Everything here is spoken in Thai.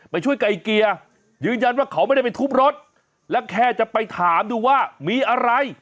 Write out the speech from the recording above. ไปช่วยไก่เกลี่ยยืนยันว่าเขาไม่ได้ไปทุบรถและแค่จะไปถามดูว่ามีอะไร